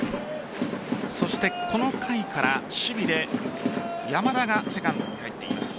そして、この回から守備で山田がセカンドに入っています。